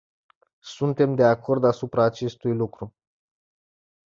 Suntem de acord asupra acestui lucru.